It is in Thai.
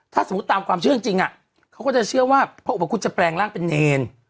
ถ้าสมมุติตามความเชื่อจริงเขาก็จะเชื่อว่าพระอุปคุฎจะแปลงร่างเป็นเนร